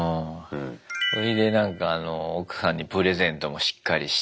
そいでなんか奥さんにプレゼントもしっかりして。